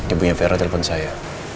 ibunya vera telpon saya